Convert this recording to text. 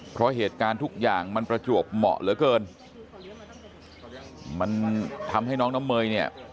เพราะเหตุการณ์ทุกอย่างมันประจวบเหมาะเหลือเกินมันทำให้น้องน้ำเมยเนี่ย